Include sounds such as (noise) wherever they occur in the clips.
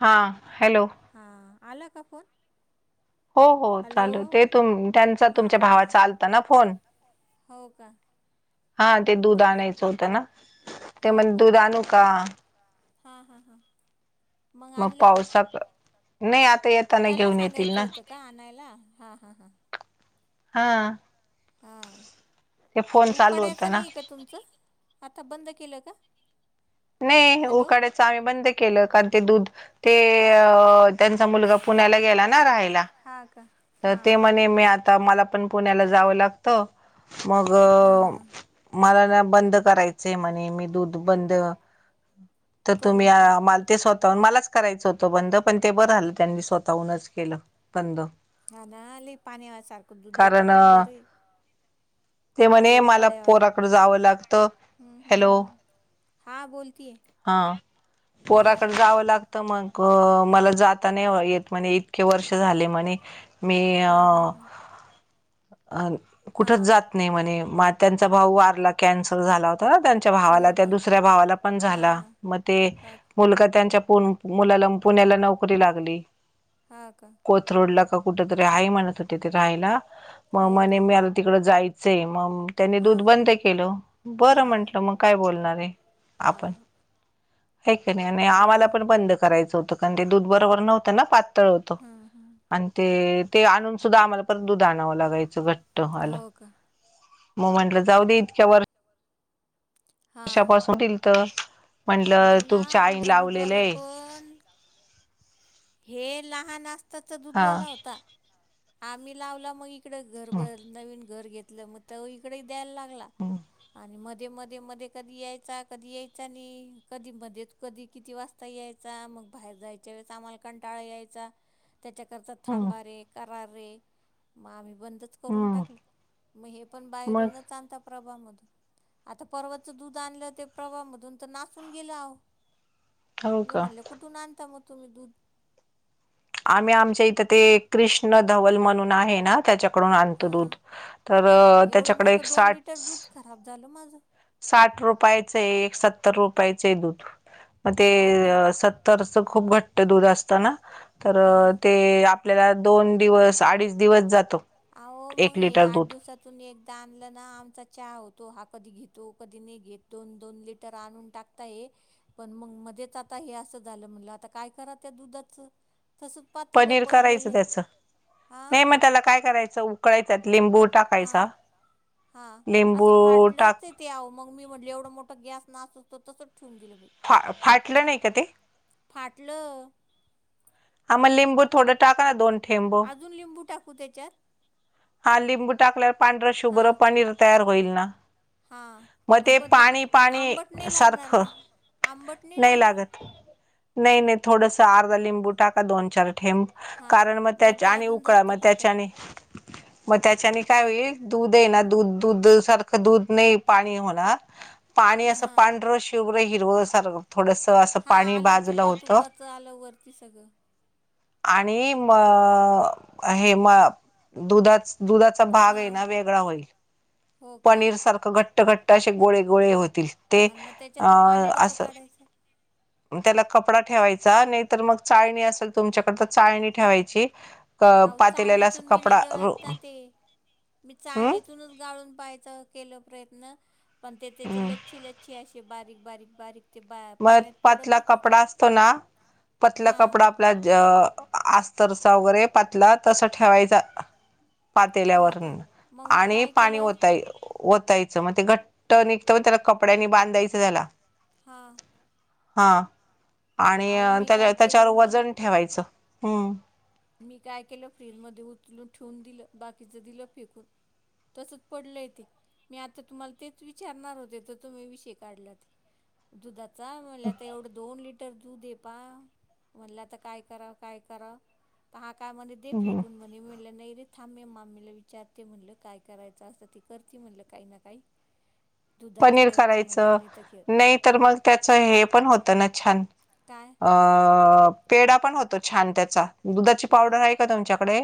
हां हॅलो. हा, आला का फोन? हो हो चालू ते तुम त्यांचा तुमच्या भावाचा आलता ना फोन हो का. हा ते दूध आणायचं होतं ना, ते म्हणे दूध आणू का? हा हा हा मग पावसात, नाही आत त्याला सांगायचं होतं का आणायला? हा हा हां हा हां उकडायचं नाही का तुमचं, आता बंद केलं का? नाही हे उकाडाचं आम्ही बंद केलं कारण ते दूध ते अ त्यांचा मुलगा पुण्याला गेला ना राहायला. हा का. तर ते म्हणे मी आता मला पण पुण्याला जावं लागत मग मला ना बंद करायचंय म्हणे मी दूध बंद तर तुम्ही मा ते स्वतःहून मलाच करायचं होतं बंद पण ते बरं झालं त्यांनी स्वतःहूनच केलं बंद. हा ना लय पाण्या सारख दूध देता बाई बर हे उकड्या वाले, हम्म हम्म ह्. हा बोलतिये. हा. पोरा कंड जाव लाग तर मग मला जाता नाही येत म्हणे इतके वर्ष झाले म्हणे मी अ अ कुठच जात णी म्हणे त्यांचा भाऊ वारला कॅन्सर झाला होता ना त्याच च्या भावाला त्या दुसऱ्या भावाला पण झाला मग ते मुलगा त्यांच्या पूण मुलाला पुण्याला नोकरी लागली. हा का. कोथरूडला का कुठ तरी आहे म्हणत होते ते राहायला मग म्हणे मी तिकड जायचंय मग त्यांनी दूध बंद केलं बरं म्हंटलं मग काय बोलणार आहे आपण, हय का नाही आणि आम्हाला पण बंद करायचं होतं कारण ते दूध बरोबर नव्हतं ना पातळ होतं. ते, ते आणून सुद्धा आम्हाला परत दुध आणावं लागायचं घट्ट वाल. मग म्हटलं जाऊ दे इतक्या वर्ष कशापासूनल दिल त म्हंटलं तुमच्या आईन लावलेलंय. कोण. हे लहान आसता चा दूधवाला होता. आम्ही लावला मग इकड घर बर नवीन घर घेतलं मग तवा इकडे द्यायला लागला आणि मध्ये मध्ये मध्ये कधी यायचा कधी यायचा नाही, कधी मध्ये कधी किती वाजता यायचा मग बाहेर जायच्या वेळे आम्हाला कणटाळा यायचा त्याच्याकरता थांबा रे करार रे मग आम्ही बंदच करून टाकलं, मग हे पण बाहेरूनच आणता प्रभामधून. आता पर्वाचं दूध आणलं ते प्रवामधून तर नासून गेलं आव. मी म्हणले कुठून आणता मग तुम्ही दूध? आमही आमच्या इथ ते क्रिष्ण धवल म्हणून आहे ना त्याच्याकडून आणतो दूध, तर अ त्याच्याकडे एक साठ ते दूध खराब झालं माझं. साठ रुपयाचंय एक सत्तर रुपयाचय दूध मग ते स त्तरच खूप घट्ट दूध असतना. त ते आपल्याला दोन दिवस आडीच दिवस जात एक लिटर दूध सातून एकदा आणलं ना आमचा चहा होतो हा कधी घेतो कधी नई घेत दोन दोन लिटर आणून टाक तय पण मग मध्येच आता हे असं झालं म्हटलं आता काय करा त्या दुधाच तस पातीलं पडलेलय. आं हां. हां असं फाटलं ते ते आव मग मी म्हटले एवढं मोठं गॅस नास तो तसंच ठेवून दिलं मी. फा फाटलं नाही का ते. फाटलं. हा मग लिंबू थोडं टाक ना दोन थेंब. आजून लिंबू टाकू त्याच्यात? हा लिंबू टाकल्यावर पांढरं शुभ्र पनीर तयार होईल ना. हा ब ते आंबट नाही लागणार का? आंबट नाही लागणार? नाही नाही थोडसं आर्ध लिंब बू टाका दोन चार थेंब कारण मग त्या आणि उकळा मग त्याच्याने मग त्याच्याने काय होईल दूध आहे ना दूध दूध सारखं दुध नाही पाणी होणार पाणी अस पांढर शु शुभ्र हिरावं सारव थोडस असं पाणी बाजूलं होत. आणि म अ हे म अ दुधाच दुधाचा भाग आहे ना वेगळा होईल पनीर सारखं घट घट्ट घट्ट असे गोळे गोळे होतील ते अं असं त्याला कपडा ठेवायचा नाही तर मग चाळणी असेल तुमच्याकडे तर चाळणी ठेवायची. अवो चाळणीतून बी नई गळत ना ते मी चाळणीतूनच गाळून पाहायच. केल प्रयत्न पण ते त्याचे लच्छी लच्छी अशे बारीक, बारीक, बारीक मग पातला कपडा असतो ना पतला कपडा आपला ज आस्तरचा वगैरे पातला तसा ठेवायचा पातेल्यावरन आणि पाणी ओताय ओतायचं मग ते घट्ट निघतं त्याला कपड्यानी बांधायचं त्याला. हां. हां आणि त्याच्या त्याच्यावर वजन ठेवायचं हम्म. मी काय केलं फ्रीजमध्ये उचलून ठीवून दिलं बाकीचं दिलं फेकून. तसच पडलंय ते. मी आता तुम्हाला तेच विचारणार होते तर तुम्ही विषय काढलात. दुधाचा म्हणल आता एवढं दोन लि टर दूध आय पाह म्हणलं आता काय करा काय कराव. पहा काय म्हणे दे फेकून. म्हणे म्हणलं नाही रे थांबे मी मामीला विचारते, म्हणलं काय करायचं असं ती करते म्हणलं काही ना काही. (inaudible) पनीर करायचं नाही तर मग त्याचं हे पण होतं ना छान अ पेढा पण होतो छान त्याचा दुधाची पावडर आहे का तुमच्याकडे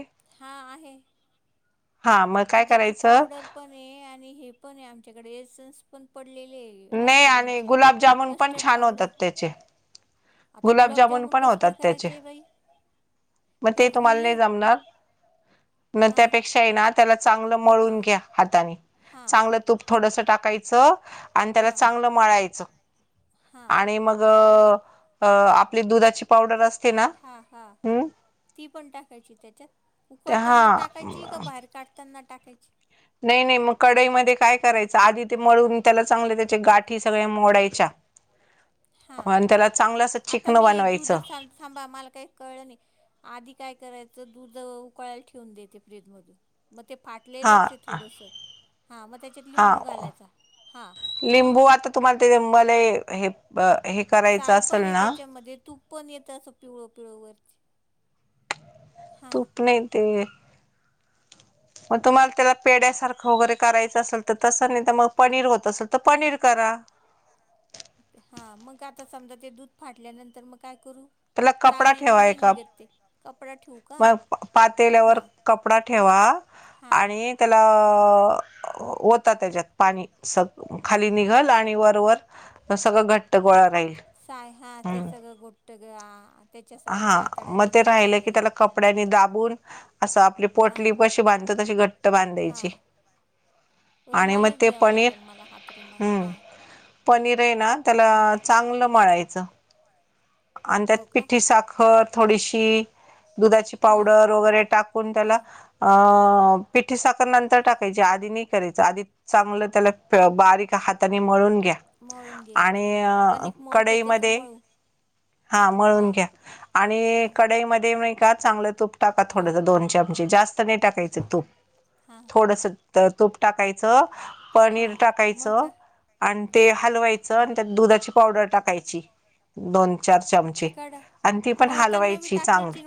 हा मग काय करायचं ये आणि हे पण आहे आमच्याकडे एसन्स पण पडलेले हे. ये आइसक्रीम चे कस्टर्ड पावडर. गुलाबजामुन पण होतात त्याचे मग ते तुम्हाला नाही जमणार. न त्यापेक्षायेना त्याला चांगलं मळून घ्या हाताने चांगलं तुप थोडस टाकायचं आणि त्याला चांगलं मळायचं. आणि मग अ आपली दुधाची पावडर असते ना हूं ती पण टाकायची त्याच्यात उकळताना टाकायची का बाहेर काढताना टाकायची? नाही नाही मग कढईमध्ये काय करायचं आधी ते मळून त्याला चांगले त्याच्या गाठी सगळे मोडायच्या. हा आता मी दूधासान थांबा मला काही कळलं नाही आधी काय करायचं दूध उकळायला ठेवून देते फ्रीजमधून. मग ते फाट टलेलंच आहे थोडस हा मग त्याच्यात लिंबू घालायचा हा मग? तुम्हाला ते त्यात मलाय हे प हे साय पण आहे त्याच्यामध्ये तूप पण येतं असं पिवळ पिवळ वरती. तूप नाही ते. मग तुम्हाला त्याला पेड्यासारखं वगैरे करायचं असेल तर तसं नाही तर मग पनीर होत असेल तर पनीर करा. हा मग काय आता समजा ते दूध फाटल्यानंतर मग काय करू? त्याला कपडा ठेवाय का मग पातेल्यावर कपडा ठेवा. आणि त्याला ओता त्याच्यात पाणी स खाली निघाल आणि वरवर त सगळं घट्ट गोळा राहील हम्म. (unintelligible) हा मग ते राहिलं की त्याला कपड्यानी दाबून असं आपली पोटली कशी बांधत तशी घट्ट घट्ट बांधायची. रुमालच घ्यावा लागेल मला हात रुमाल हा. पनीर आहे ना त्याला चांगलं मळायचं. आणि त्यात पिठी साखर थोडीशी दुधाची पावडर वगैरे टाकून त्याला अ पिठी साखर नंतर टाकायची आधी नाही करायचं आधी चांगलं त्याला बारीक हातानी मळून घ्या आणि कढईमध्ये (inaudible) हा मळून घ्या आणि कडईमध्ये नाही का चांगलं तूप टाका थोड दोन चमचे जास्त नाही टाकायचं तूप थोडंसं तूप टाकायचं. पनीर टाकायचं. आणि ते हलवायचं आणि त्यात दुधाची पावडर टाकायची. दोन चार चमचे आणि ती पण हलवायची चांगली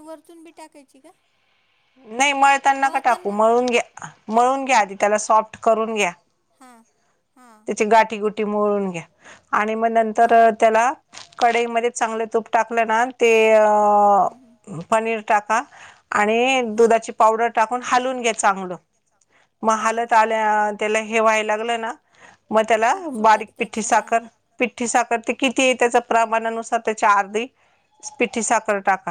नाही मळताना नका टाकू मळून घ्या मळून घ्या आधी त्याला सॉफ्ट हा. त्याची गाठी गुठी मोळून घ्या. आणि मग नंतर त्याला कडईमध्ये चांगल तूप टाकल ना ते पनीर टाका आणि दुधाची पावडर टाकून हालवून घ्या चांगलं मग हालत आल्या त्याला हे व्हाय लागलं ना मग त्याला बारीक पिठ्ठी साखर पी पिठ्ठी साखर ते किती आहे त्याच्या प्रमाणानुसार त्याच्या अर्धी पिठ्ठी साखर टाक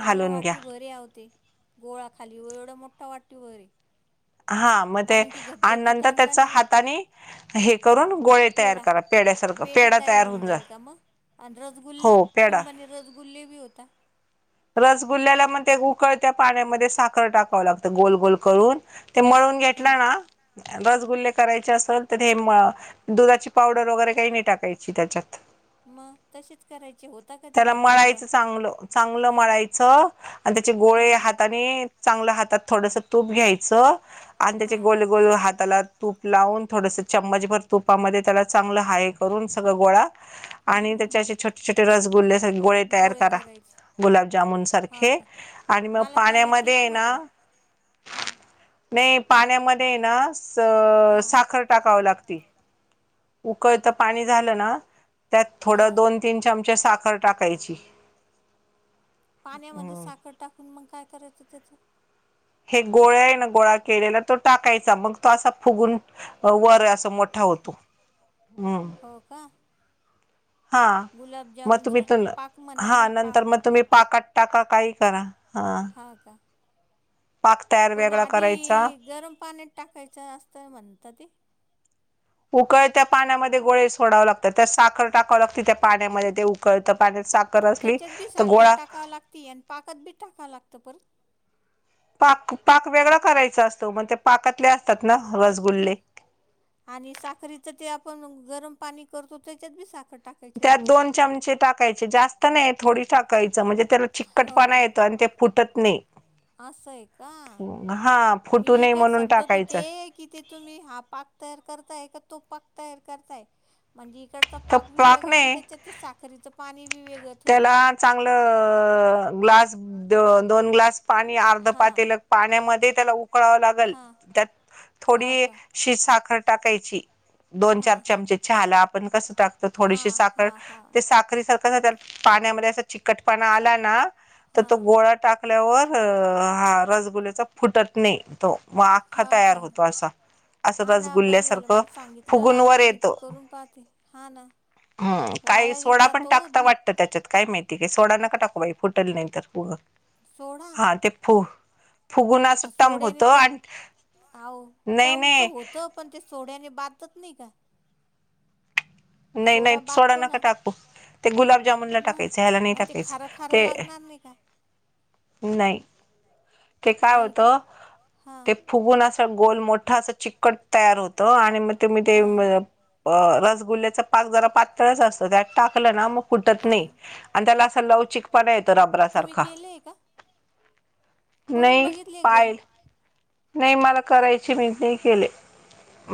चांगलं वाटी भरये आओ ते. गोळा खाली व एवढ मोठा वाटी भरये. हा मग ते आणि नंतर त्याचा हाताने हे करून गोळे तयार करा. पेड्यासारखं पेढा तयार होऊन जा आणि रसगुल्ले? तुम्ही म्हणे रसगुल्ले बी होता रसगुल्ल्याला मग ते उकळत्या पाण्यामध्ये साखर टाकावं लागतं. गोल गोल करून ते मळून घेतलं ना. रसगुल्ले करायचे असल हे दुधाचे पावडर वगैरे काही नाही टाकायची त्याच्यात. मग तसेच करायचे. होता का ते गोट्ट गोळा? चांगलं मळायचं आणि त्याचे गोळे हाताने चांगल्या हातात थोडस तूप घ्यायचं आणि त्याचे गोल गोल हाताला तूप लावून थोडस चम्मच भर तुपामध्ये त्याला चांगलं हाय करून सगळ गोळा आणि त्याचे असे छोटे छोटे रसगुल्ले सारखे गोळे तयार करा. गुलाबजामुन सारखे आणि मग पाण्यामध्ये ना नाही पाण्यामध्ये ना साखर टाकावं लागतं. उकळत पाणी झालं ना. त्यात थोडं दोन तीन चमचे साखर टाकायची. पाण्यामध्ये साखर टाकून मग काय करायचं त्याचं? हे गोळ्या आहे न गोळा केलेला तो टाकायचा. मग तो असा फुगून वर अस मोठा होतो. हम्म का? गुलाबजामुन सारखं पाक म्हणा ना पाक मग तुम्ही पाकात टाका. हा का. पण आधी गरम पाण्यात टाकायचं असतं म्हणत ते उकळत्या पाण्यामध्ये गोळे सोडावं लागतात. त्यात साखर टाकावं लागते त्या पाण्यामध्ये ते उकळत्या पाण्यात साखर असली तर गोळा ती आणि पाकात बी टाकाव लागतं परत? पाक पाक वेगळा करायचा असतो. मग ते पाकातले असतात ना रसगुल्ले आणि साखरीचं ते आपण गरम पाणी करतो त्याच्यात बी साखर त्यात दोन चमचे टाकायचे जास्त नाही थोडी टाक टाकायचं म्हणजे त्याला चिकटपणा येतो आणि ते फुटत नाही. हा मी काय समजत होते कि ते तुम्ही हा पाक तयार करताय का तो पाक तयार करताय म्हणजे इकड पाक बी वेगळा आणि त्याच्यात ते साखरीचं पाणी बी वेगळं त्याला चांगलं ग्लास, द दोन ग्लास पाणी, अर्ध पातेल पाण्यामध्ये त्याला उकळावं लागल, त्यात थोडीशी साखर टाकायची. दोन चार चमचे चहाला आपण कसं टाकतो. थोडीशी साखर ते साखरी सारखं झा पाण्यामध्ये असा चिकट पणा आला ना तर तो गोळा टाकल्यावर हा रसगुल्लेचा फुटत नाही तो म आख्खा तयार होतो असा. हा ना. बरं झालं मला सांगितल. आता मी ते करून पाहते. हा ना. ह काही सोडा पण टाकता वाटतं त्याच्यात. काय माहित, का सोडा नका टाकू बाई फट फुटेल नाही तर. हा ते हा सोड्याने ते अहो, टम तर होतं. पण ते सोड्याने, बातत नाही का? नाही, नाही. सोडा नका टाकू. ते गुलाबजामुनला टाकायचं. ह्याला नाही टाकायचं. ते नायी. ते काय होत? ते फुगून असं, गोल मोठा असं चिकट तयार होतं आणि मग तुम्ही ते म अ रसगुल्ल्याचा पाक जरा पातळच अस. त्यात टाकलं ना, मग कुटत नायी. आणि त्याला असं, लवचिकपणा येतो. रबरासारखा. करून बघितलीय घरी. नाही मला करायचे, मी नाही केले.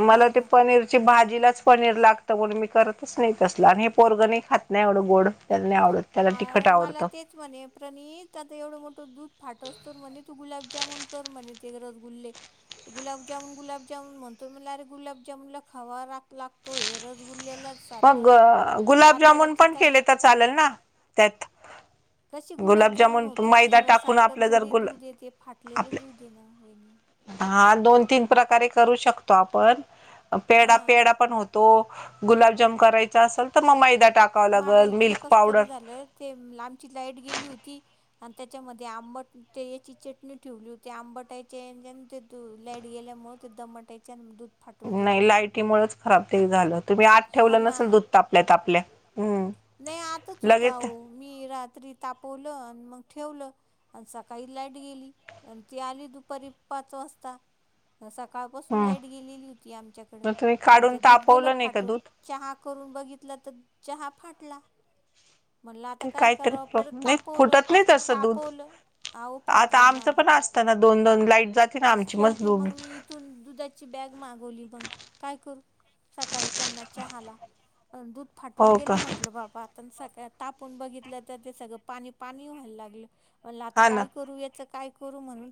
मला ते पनीर त्या भाजीलाच पनीर लागतं. म्हणून मी, करतच नाही तसलं. आणि हे पोरगं नाही, खात नाही, एवढं गोड. त्याला नाही आवडत. त्याला तिखट आवडतं. सोणे, प्रणित आता एवढं मोठं दूध फाटस्तोर म्हणे, तू गुलाबजामून कर म्हणे. ते रसगुल्ले गुलाबजामुन - गुलाबजामुन म्हणतोय. मनल अरे, गुलाबजामुनला खावा राप आप लाग तोय. रसगुल्लेला साखं. आताड्या चीतड्या चालल ना? त्यात. कसे गुलाबजामन होतील? खव्यासारखं थोडी दूध येते? फाटलेल दूध ये ना, वैणी. हा दोन - तीन प्रकारे करू शकतो, आपण. पेडा - पेडा पण हो तो. गुलाबजाम करायचा असल, तर मग मैदा टाकावा लागल. मिल्क पावडर ते म ल आमची लाईट गेली होती. आणि त्याच्यामध्ये आंबट ते याची चटणी ठेवली होती. आंबटाचे ए जे न ते द लाईट गेल्यामुळ दमट याच्या न दुध नाही, लायटीमुळच खराब ते झालं. तुम्ही आत ठेवलं नसल दूध, तापल्या - तापल्या. हम्. लगेच मी, रात्री तापवलं, अन् मग ठेवलं. अन् सकाळी लाईट गेली. अन् ती आली, दुपारी पाच वाजता. सकाळपासून लाईट गेलेली होती, आमच्याकडं. अन् ते दूध गेलं फाटून. चहा करून बघितला, तर चहा फूटला. म्हणलं, आता काय कराव? परत तापवलं- तापवलं. अवो, फाटलं ना! शेवटी मग मी थून दुधाची बॅग मागवली मग. काय करू? सकाळी त्यांना चहाला. दूध फाटून गेलं म्हंटलं, बाबा आ पण सकाळ, तापून बघितलं, तर ते सगळं पाणी - पाणी व्हायला लागलं. म्हनल, आता काय करू याचं? काय करू? म्हणून